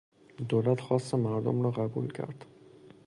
دولت خواست مردم را قبول کرد.